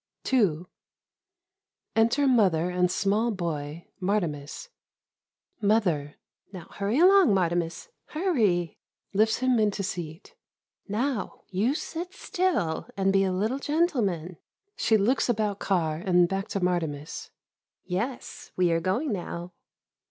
ii Enter Mother and small boy, Martimas Mother Now hurry along, Martimas, hurry! [Lifts him into seat.] Now, you sit still and be a little gentle man. [She looks about car, and back to Martimas.] Yes, we are going now.